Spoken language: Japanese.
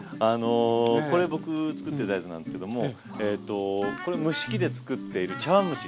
これ僕作ってたやつなんですけどもこれ蒸し器で作っている茶わん蒸し。